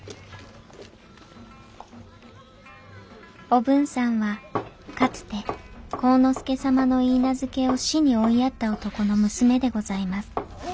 おぶんさんはかつて晃之助様の許嫁を死に追いやった男の娘でございます。